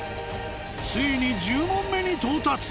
ついに１０問目に到達